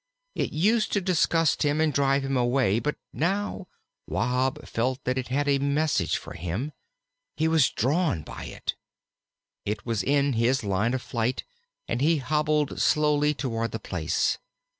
It used to disgust him and drive him away, but now Wahb felt that it had a message for him; he was drawn by it. It was in his line of flight, and he hobbled slowly toward the place.